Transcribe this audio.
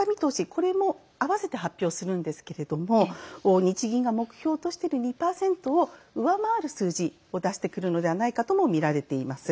これも併せて発表するんですが日銀が目標としている２％を上回る数字がを出してくるのではないかともみられています。